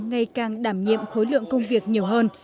ngày càng đảm nhiệm khối lượng công việc nhiều hơn